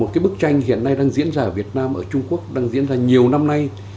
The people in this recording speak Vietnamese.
một cái bức tranh hiện nay đang diễn ra ở việt nam ở trung quốc đang diễn ra nhiều năm nay